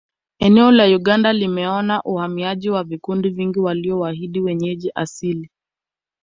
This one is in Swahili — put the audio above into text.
Eneo la Uganda limeona uhamiaji wa vikundi vingi waliowazidi wenyeji asili